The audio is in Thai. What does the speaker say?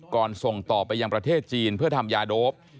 ส่งต่อไปยังประเทศจีนเพื่อทำยาโดป